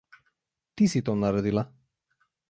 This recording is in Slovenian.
Ti si to naredila?